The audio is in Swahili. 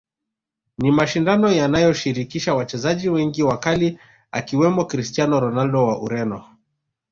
Ni mashindano yanayoshirikisha wachezaji wengi wakali akiwemo Christiano Ronaldo wa Ureno